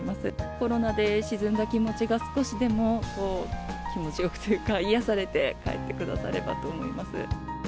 コロナで沈んだ気持ちが、少しでも気持ちよくというか、癒やされて帰ってくださればと思います。